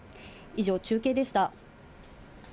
以上、中継でした。